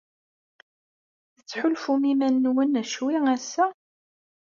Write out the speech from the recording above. Tettḥulfum i yiman-nwen ccwi ass-a?